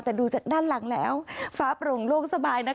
แต่ดูจากด้านหลังแล้วฟ้าโปร่งโล่งสบายนะคะ